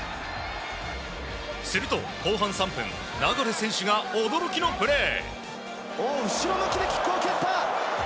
すると後半３分、流選手が驚きのプレー。